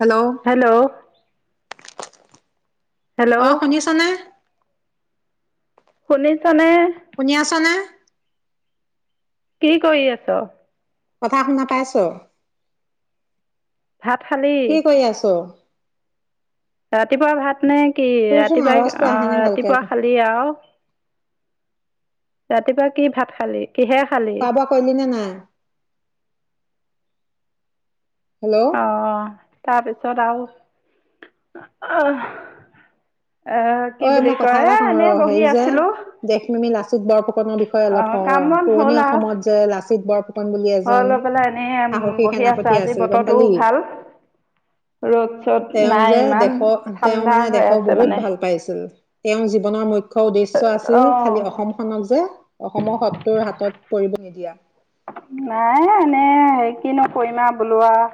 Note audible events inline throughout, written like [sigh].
Hello hello অ hello শুনিছ নে শুনিছো শুনি আছ নে? কি কৰি আছ? কথা শুনা পাইছ? ভাত খালি কি কৰি আছ? ৰাতিপুৱা ভাত নে কি তোৰচোন ৰাতিপুৱাই আৱাজটো অ আহা নাই ভালকে ৰাতিপুৱা খালি আৰু ৰাতিপুৱা কি ভাত খালি? কিহে খালি খোৱা বোৱা কৰিলি নে নাই? [unintelligible] হেল্ল' অ তাৰপিছত তাৰপৰা আৰু অ অই মই কথা এটা কওঁ ৰ বহি হেৰি যে আছিলো দেশপ্ৰেমী লাচিত বৰফুকনৰ বিষয়ে অলপ অঁ কওঁ ৰ কাম পুৰণি অসমত যে লাচিত বৰফুকন বুলি অ এজন লৈ পেলাই এনে সাহসী বহি আছো সেনাপতি আজি আছিল গম বতৰটো পালি ভাল ৰ'দ চ'দ তেওঁ যে নাই ইমান দেশৰ তেওঁ ঠাণ্ডা মানে হৈ দেশক আছে বহুত মানে। ভাল পাইছিল তেওঁৰ জীৱনৰ ম মুখ্য উদ্দেশ্য আছিল খালী অঁ অসমখনক যে অসমক শত্ৰুৰ হাতত পৰিব নিদিয়া। মানে হেৰি কিনো কৰিম আৰু বোলো আৰু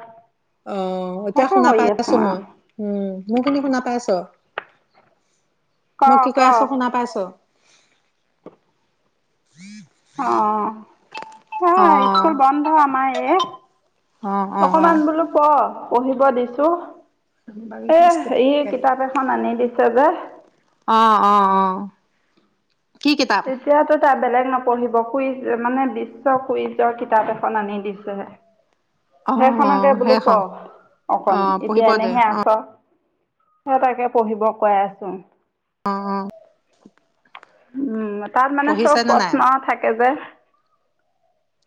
অঁ এতিয়া তাকে শুনা কৰি পাই আছো আছোঁ আৰু মই উম মোৰ খিনি শুনা পাই আছ ক মই ক কিবা আশা শুনা পাইছো অ আহ অ', স্কুল বন্ধ আমাৰ এই অ', অ', অ'। অকমান বোলো প পঢ়িব দিছো। এ বাকীটো ষ্টেপটো এইে কিতাপ এখন আনি দিছে যে। আহ অ অ কি কিতাপ? এতিয়াত তো ত বেলেগ নপঢ়িব কুইজ মানে বিশ্ব কুইজৰ কিতাপ এখন আনি দিছে। অ', অ', সেইখনকে বোলো প সেইখন অকন অ', এতিয়া পঢ়িব দে এনেহে আছ। অ', হেতকে তাকে পঢ়িব কৈ আছো। অ অ। উম ম। তাত মানে চব প্ৰশ্ন থাকে যে।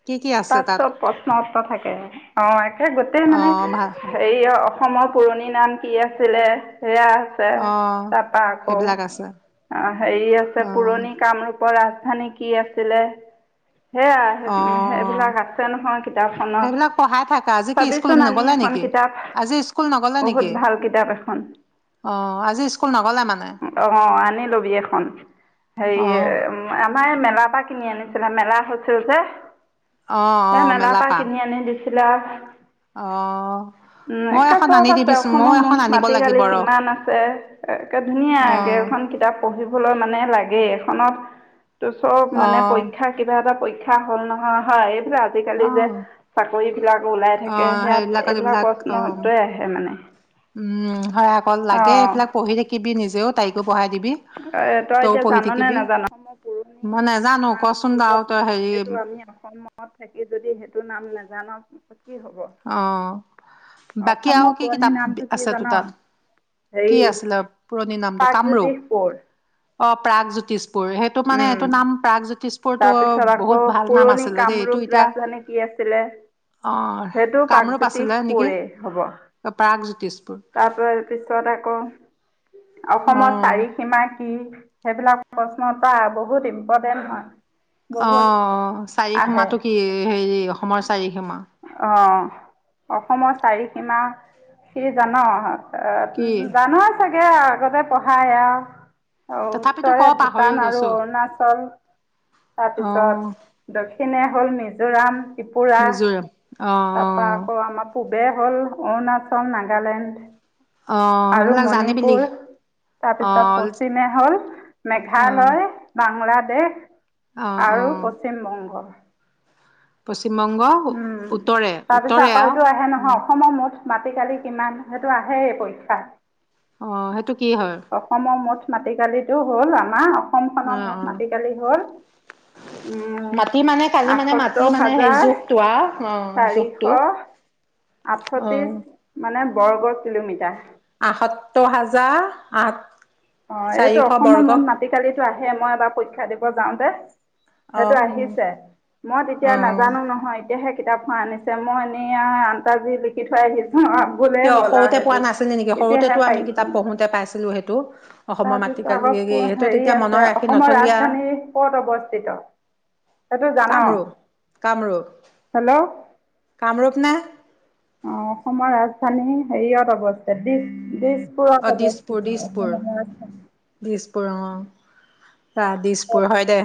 কি কি আছে তাত চব প্ৰশ্ন উত্তৰ থাকে। অঁহ হেত গোটেই মানে অ', ভাল হেৰি। অসমৰ পুৰণি নাম কি আছিলে। সেয়া আছে অ'। তাৰপা আকৌ সেইবিলাক আছে হেৰি আছে অ', পুৰণি কামৰূপ। কৰ ৰাজধানী কি আছিলে। সেয়া অ', অ', এইবিলাক আছে নহয় কিতাপখনত সেইবিলাক পঢ়াই থাকা আজি কি চাবি স্কুল চোন আনি নগ'লে এখন নেকি? কিতাপ আজি স্কুল নগ'লে বহুত নেকি? ভাল কিতাপ এখন অ', আজি স্কুল নগ'লে মানে অ আনি লবি এখন হেৰি। অ'। আমাৰ মেলাৰ পৰা কিনি আনিছিলে মেলা হৈছিল যে। অ অ মেলা পা ছিলাক উম মই একে এখন চব আনি আছে দিবিচোন ময়ো অসমৰ এখন মুঠ আনিব মাটি গালি লাগিব ৰ অঁ কিমান আছে একে ধুনীয়াে এইখন কিতাপ। পঢ়িবলৈ মানে লাগে এখনত প। তোৰ চব মানে অঁ পৰীক্ষা কিবা এটা পৰীক্ষা। চাহ হ'ল ন অ হয়। এইবিলাক অ আজিকালি যে চাকৰিবিলাক ওলাই থাকে আহ সেয়াত সেইবিলাকত এইবিলাক প্ৰশ্ন আহ উত্তৰে আহে মানে উম হয় অ অ অ সেই বিলাক অকল লাগে অঁ এইবিলাক পঢ়ি থাকিবি নিজেও তাইকো পঢ়াই দিবি এ তই তইও এতিয়া পঢ়ি জাননে থাকিবি নাজান অসমৰ পুৰণি মই নোজানো কচোন বাৰু তই হেৰি। মনত থাকি যদি সেইটো নাম নাজানক। অ বাকী আৰু অসমৰ কি পুৰণি কিতাপ নামটো কি আছে তো জান তাত কি হেৰি আছিলে পুৰণি নামটো কামৰূপ প্ৰাগজ্যোতিষ পুৰ অ প্ৰাগজ্যোতিষপুৰ সেইটো মানে উম এইটো নাম প্ৰাগজ্যোতিষপুৰ। তাৰপিছত আকৌ পুৰণি এইটো কামৰূপ এতিয়া ৰাজধানী কি আছিলে অ', সেইটো। কামৰূপ আছিলে জ্যোতিছ নেকি পুৰে হ'ব প্ৰাগ জ্যোতিষপুৰ তাৰপ পিছত আকৌ । অসমত অ', চাৰি সীমা কি সেইবিলাক । প্ৰশ্নতটা বহুত ইম্পৰ্টেন্ট হয় । অ চাৰিসীমাটো কি হেৰি অসমৰ চাৰিসীমা । অ অসমৰ চাৰি সীমা কি জানা। অ কি জান । চাগে আৰু আগতে পঢ়ায় এয়া । অ তথাপিতো ক উত্তৰে পাহৰি ভূটান আৰু গৈছো অৰুণাচল । তাৰপিছত অ', দক্ষিণে । হ'ল মিজোৰাম। ত্ৰিপুৰা মিজোৰাম অ', তাৰ পৰা আকৌ আমাৰ পূব। যে হ'ল অৰুণাচল নাগালেণ্ড অ', অ', । আৰু সেইবিলাক জানিবিলি মণিপুৰ তাৰপিছত অ', পশ্চিমে হ'ল অ', মেঘালয় বাংলাদেশ । হে। অ', আৰু অ', পশ্চিম বংগ । পশ্চিমবংগ উম উত্তৰে তাৰপিছত উত্তৰে আকৌ আৰু এইটো আহে নহয় উম, অসমৰ মুঠ। মাটি কালি কিমান সেইটো আহে পৰীক্ষা। অ সেইটো কি হয় । মাটিকালিতটো হ'ল আমাৰ । অসম খনৰ অ', মুঠ অ', মাতি কালি হ'ল । মাটি মানে কালি মানে মাটি আঠসত্তৰ মানে সেই হাজাৰ জোখটো আ অ জোখটো চাৰিশ আহ আঠত্ৰিশ । মানে বৰ্গ কিলোমিটাৰ । আসত্তৰ হাজাৰ আঠ। অ এইটো চাৰিশ অসমৰ বৰ্গ মুঠ মাটি কালি আহে মই এবাৰ পৰীক্ষা দিব যাও দে অ সেইটো আহিছে মই অ তেতিয়া নাজানো নহয় । তেতিয়াহে কিতাপখন আনিছে মই এনে আনতাজ দি লিখি থৈ আহিছোঁ। আৰু ভুলেই কিয় হ'ল আৰু সৰুতে পোৱা সেইটো নাছিলি নেকি সৰুতেতো আমি কিতাপ পঢ়োতে পাইছিলোঁ সেইটো। অসমৰ তাৰপিছ মাটিকালি আকৌ সেইটো হেৰি তেতিয়া মনত আছে ৰাখি অসমৰ নথলীয়া ৰাজধানী ক'ত অৱস্থিত এইটো জান কামৰূপ কামৰূপ হেল্ল'। কামৰূপ নে অ অসমৰ ৰাজধানী হেৰিয়ত অৱস্থিত দি দিচ। অ দিছপুৰ দিছপুৰত দিছপুৰ হ'ব দিছপুৰ অসমৰ । অ দিছপুৰ হয় দে।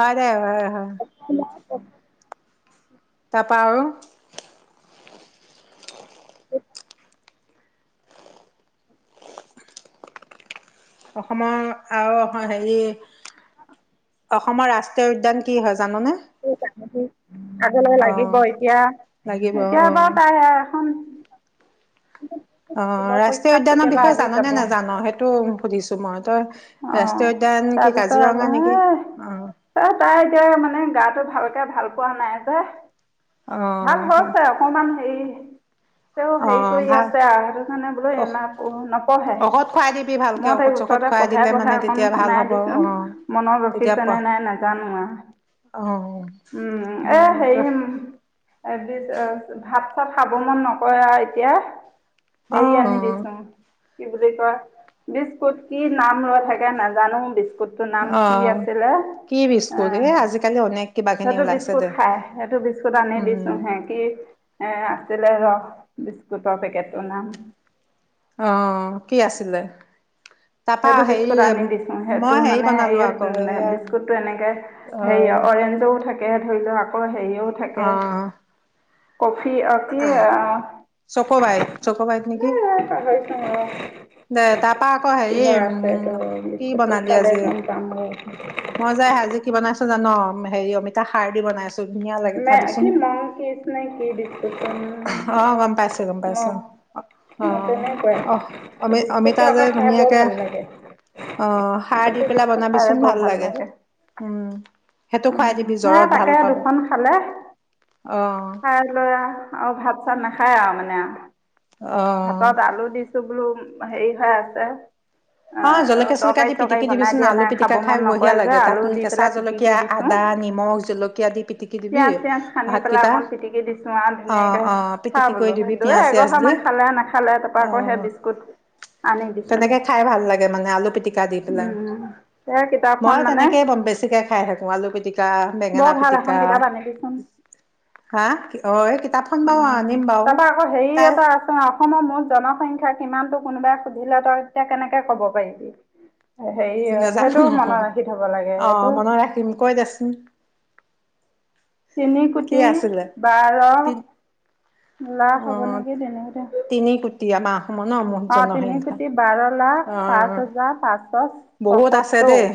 হয় দে হয় হয় । একোঢ নাই অ তাৰ পৰা আৰু অ অসমৰ আৰু অ'ক হেৰি অসমৰ ৰাষ্ট্ৰীয় উদ্যান কি হয় জাননে স আগলৈ অ লাগিব এতিয়া লাগিব এতিয়া অ বাৰু তাই এখন অ দিব ৰাষ্ট্ৰীয় পৰীক্ষাত উদ্যানৰ কেতিয়াবা বিষয়ে আহি জান নে যাব নেজান সেইটো সুধিছো মই অঁ ৰাষ্ট্ৰীয় উদ্যান কি তাৰপিছত আকৌ কাজিৰঙা নেকি অ এ তাই এতিয়া মানে গাটো ভালকে ভাল পোৱা নাই যে অ ভাল হৈছে অকমান হেৰি তেওঁ অ হেৰি কৰি ভাল আছে আহ সেইটো কাৰনে বোলো অ এমাহ পঢ়ো ঔষধ খুৱাই দিবি নপঢ়ে ভালকে মই ঔষধ তাইক চৌষধ ওচৰতে খুৱাই পঢ়াই দিলে মানে পঢ়াই অকন তেতিয়া ভাল হ'ব শুনাই দিছো অ মনত তেতিয়া ৰখিছে প নে নাই নাজানো অ আৰু উম এ হেৰি এইবি ভাত চাত খাব মন নকৰে আৰু এতিয়া অ হেৰি আনি দিছোং কি বুলি কয় বিস্কুট কি কি নাম লৈ থাকে নাজানো বিস্কুটটো নাম অ কি আছিলে কি এ বিস্কুট আজিকালি অনেক কিবা কিনি সেইটো ওলাইছে বিস্কুট দে খাই সেইটো বিস্কুট আনি দিছো উম হে কি এ আছিলে ৰ বিস্কুটৰ পেকেট টোৰ নাম অ হ কি আছিলে তাৰপা সেইটো হেৰি বিস্কুত আনি দিছো সেইটো মই হেৰি মানে বনালো এই আকৌ এয়া বিস্কুতটো এনেকে হেৰি অ অৰেঞ্জও থাকে তাকে ধৰি লও আকৌ হেৰি ও থাকে অ', কফি অ কি এ চকোবাৰীত, চকোবাৰীত নেকি? পাহৰিছো ৰ দে তাপা আকৌ হেৰি কিহ আছে তো উম, কি বিস্কুত টো বনালি চালে আজি? গম পাম বাৰু ম হেৰি অমিতা ষাৰ দি বনাইছো ধুনীয়া লাগে ম খাবিচোন। কি মং কিছনে কি দিছো অ', গম পাইছো, গম উমম পাইছো। মক এই নে কয় অমিত অমিতা যে ধুনীয়াকে অ সাৰ সেইটো দি পেলাই বিস্কুট খাই বনাবিচোন ভাল লাগে উম সেইটো উ খুৱাই দিবি হেই জ্বৰত ভাল তাকে পাব। দুখন খালে অ', খাই লৈ আ ভাত চাত না খাই আও মানে আও অ'। ভাতত আলু দিছো বোলো তোমাৰ হেৰি হৈ আছে অ জলকীয়া চলকীয়া তৰকাৰী দি চৰকাৰী পিটিকি বনাই দিবিচোন দিয়া আলু নাই খাব পিটিকা খাই মন নকৰে বঢ়িয়া যে লাগে তাত আলু দি কেঁচা পেলাই পিটিকি জলকীয়া, আদা, দিছোঁ নিমখ, জলকীয়া দি পিটিকি দিবি পিয়াজ চিয়াজ সানি পেলাই ভাতকেইটা অকণ পিটিকি দিছো আৰু অ ধুনীয়াকে অ খা পিটিকি কৰি বোলো দিবি দুয়ে পিয়াজ এঘৰ চিয়াজ দি সামান খালে নাখালে তাৰপৰা অ আকৌ সেই বিস্কুট আনি দিছো তেনেকে খাই ভাল লাগে মানে আলু পিটিকা দি পেলাই সেই মই কিতাপখন মানে তেনেকে বেছিকে খাই থাকো আলু পিটিকা, বেঙেনা বৰ ভাল পিটিকা এখন কিতাপ আনি দিচোন হয় উম তাৰপৰা আকৌ হেৰি এটা আছে অসমৰ মুঠ জনসংখ্যা সিমানতটো কোনোবাই সুধিলে তই এতিয়া কেনেকে কব পাৰিবি হেৰি নাজানো সেইটো মনত নহয় ৰাখি থব লাগে আহ সেইটো মনত ৰাখিম কৈ জাচোন তিনি কোটি বাৰ তি অ লাখ হ'ব নেকি তেনেতে তিনি কোটি আমাৰ অসমৰ ন মুঠ অ তিনি জনসংখ্যা কোটি বাৰ লাখ অ পাঁচ হাজাৰ পাঁচশ বহুত আছে ছসত্তৰ দেই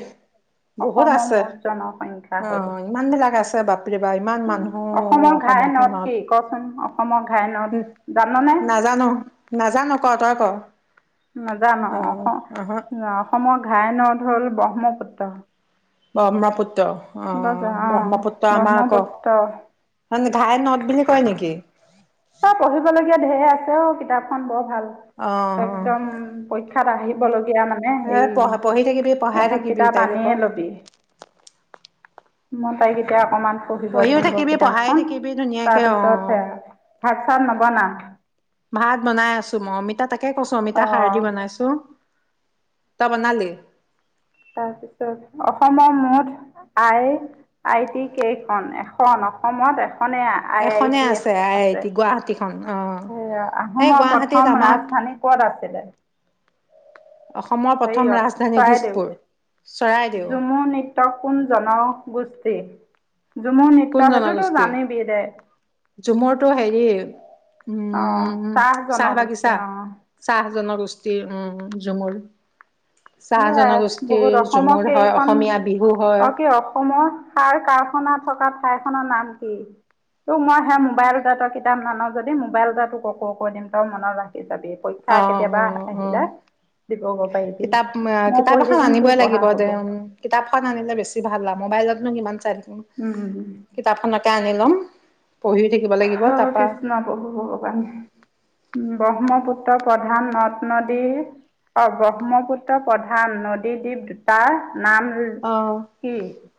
বহুত অসমৰ আছে মুঠ জনসংখ্যা অ হ'ল ইমানবিলাক আছে কিবা ইমান মানুহ অসমৰ ঘাই নদ অসমখনত কি কচোন অসমৰ ঘাই নদ উ জাননে নাজানো নাজানো ক তই ক নাজান অ অসম আহ অসমৰ ঘাই নদ হ'ল ব্ৰহ্মপুত্ৰ ব্ৰহ্মপুত্ৰ অ অঁ ব্ৰহ্মপুত্ৰ আমাৰ ব্ৰহ্মপুত্ৰ আকৌ ঘাই নদ বুলি কয় নেকি? তই পঢ়িবলগীয়া ধেই আছে অ কিতাপ খন বৰ ভাল অ একদম পৰীক্ষাত আহিব [unintelligible] তিয়া মানে সেই এইে পঢ় পঢ়ি থাকিবি পঢ়াই এখন থাকিবি কিতাপ তাইক আকৌ আনিয়ে লবি মই তাইক এতিয়া অকমান পঢ়িব পঢ়িও দিমগৈ থাকিবি পঢ়াই কিতাপখন থাকিবি ধুনীয়াকে অ চব নবনা ভাত বনাই আছো মই অমিতা তাক তাকে কৈছো অমিতা সাৰ দি অঁ বনাইছো তই বনালি তাৰপিছত অসমৰ মুঠ আই আই টি কেইখন, এখন অসমত এখ এখনে আছে গুৱাহাটীখনন হেয়া আহোমৰ প্ৰথম আমাৰ ৰাজধানী কত আছিলে? অসমৰ প্ৰথম হেয়ত ৰাজধানী দিছপুৰ চৰাইদেউ চৰাইদেউত। ঝুমু নৃত্য কোন জনগোষ্ঠী? ঝুমুৰ নৃত্য কোন সেইটোতো জনগোষ্ঠী জানিবি দে ঝুমৰটো হেৰি অ উম চাহ জনগোষ্ঠী বাগিচা অ চাহ জনগোষ্ঠীৰ উম জুমুৰ চাহ সেয়াই জনগোষ্ঠীৰ বহুত অসমৰ ঝুমুৰ হয় কেইখন অসমীয়া বিহু হয়। অ কি অসমৰ সাৰ কাৰখানা থকা ঠাই খনৰ নাম কি? তোক মই সেই মোবাইল দেতৰ কিতাপ নান যদি মোবাইল আলা ককো কৈ দিম তই মনত ৰাখি যাবি পৰীক্ষা অ কেতিয়াবা অ অ আহিলে দিবগৈ পাৰিবি কিতাপ মই কিতাপ পঢ়ি এখন থাকিম তোৰ আনিবই পঢ়া লাগিব দে হ'ব। কিতাপ খন আনিলে বেছি ভাল মবাইলত নো কিমান চাই উম কিতাপখনকে আনি লম পঢ়ি থাকি হে কৃষ্ণ প্ৰভু ভগৱান ব্ৰহ্মপুত্ৰ পুত্ৰ প্ৰধান নদ নদীৰ অ ব্ৰহ্মপুত্ৰ প্ৰধান নদী দ্বীপ দুটা অহ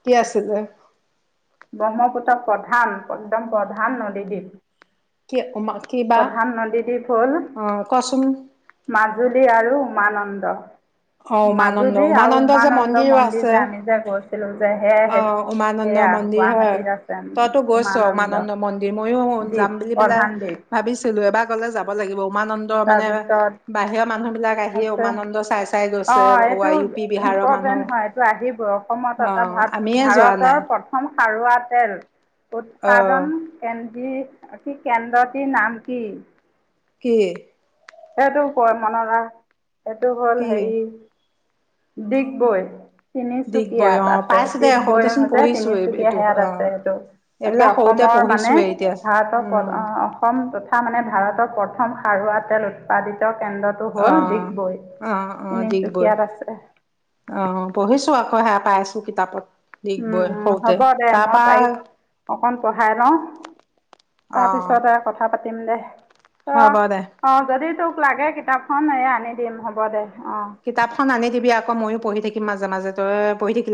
কি আছিলে? ব্ৰহ্মপুত্ৰ প্ৰধান একদম প্ৰধান নদীদ্বীপ। কি উমা কি বা প্ৰধান নদীদ্বীপ হল অ কচোন মাজুলী আৰু উমানন্দ অ উমানন্দ মাজুলী আৰু যে উমানন্দ মন্দিৰো মন্দিৰ আছে যে আমি যে গৈছ হেল্লো সেয় অ সেই উমানন্দ সেয়া মন্দিৰ হয় গুৱাহাটীত আছে তইতো গৈছ উমানন্দ মন্দিৰ ময়ো দ্বীপ যাম বুলি পেলাই প্ৰধান দ্বীপ ভাবিছিলো এবাৰ গলে যাব লাগিব উমানন্দ মানে তাৰপিছত বাহিৰৰ মানুহ বিলাক আহিয়ে আছে উমানন্দ চাই চাই গৈছে অঁ ৱ এইটো ইউ পি বিহাৰৰ মানুহ ইম্পৰ্টেণ্ট হয় এইটো আহিব অসমত অ এটা ভাত ভাৰতৰ যোৱা নাই প্ৰথ প্ৰথম সাৰুৱা তেল অ উৎপাদন কেন্দ্ৰ কেন্দ্ৰটিৰ নাম কি? কি? সেইটো কয় মনত ৰাখ এইটো হ'ল কি হেৰি ডিগবৈ দিগবৈ তিনিচুকীয়াত অ পাইছো দে সৰুতে চোন পঢ়িছো এই তত অ আছে এতিয়া এইবিলাক সৰুতে অসমৰ মানে পঢ়িছোৱে এতিয়া ভাৰতৰ উম অসম তথা মানে ভা ভাৰতৰ প্ৰথম সাৰুৱা তেল উৎপাদিত কেন্দ্ৰটো অ হ'ল ডিগবৈ অ অ দিগবৈ তিনিচুকীয়াত আছে অহ পঢ়িছো আকৌ সেয়া পাইছো কিতাপত দিগবৈ উম সৰুতে হ'ব দে তা মই পা তাইক আও অকণ চাই লওঁ অ', তাৰপিছতে কথা পাতি দি দিম দেহ অ হ'ব দে অ যদি তোক তোক লাগে কিতাপখন এই আনি দিম হ'ব দে। অ' কিতাপখন আনি দিবি আক ময়ো পঢ়ি থাকিম মাজে মাজে তই পঢ়ি থাকিলে